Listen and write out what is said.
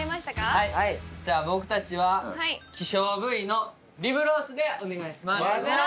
はいじゃあ僕たちは希少部位のリブロースでお願いします